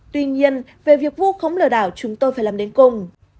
tuy nhiên về việc vụ khống lửa đảo chúng tôi phải làm đến cùng